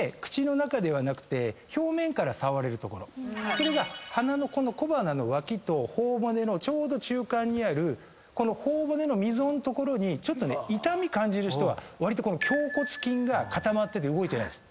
それが鼻の小鼻の脇と頬骨のちょうど中間にある頬骨の溝の所にちょっとね痛み感じる人はわりと頬骨筋が固まってて動いてないです。